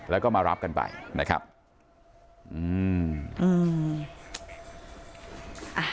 แล้วก็มารับกันไปนะครับอืมอืม